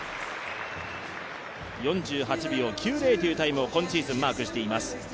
４８秒９０というタイムを今季マークしています。